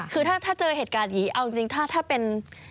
คือถ้าเจอเหตุการณ์อย่างนี้เอาจริงถ้าเป็น